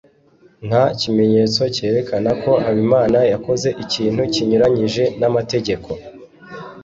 nta kimenyetso cyerekana ko habimana yakoze ikintu kinyuranyije n'amategeko